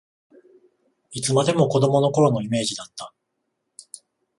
いつまでも子どもの頃のイメージだった